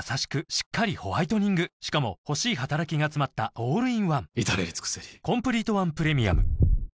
しっかりホワイトニングしかも欲しい働きがつまったオールインワン至れり尽せりよっ！